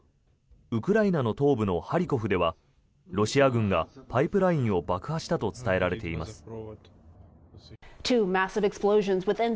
ウクライナの東部のハリコフではロシア軍がパイプラインを爆破したと伝えられています。